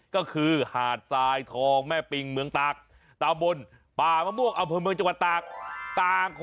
ก็คือหาดไซด์ทองแม่ปิงเมืองตาก